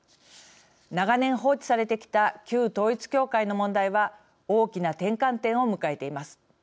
長年、放置されてきた旧統一教会の問題は大きな転換点を迎えています。